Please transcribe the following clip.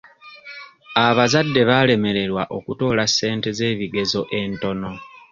Abazadde baalemererwa okutoola ssente z'ebigezo entono.